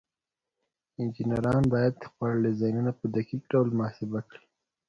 انجینران باید خپل ډیزاینونه په دقیق ډول محاسبه کړي.